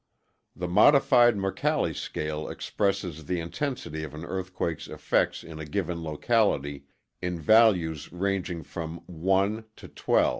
The Modified Mercalli Scale expresses the intensity of an earthquakeŌĆÖs effects in a given locality in values ranging from I to XII.